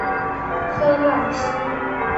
科朗西。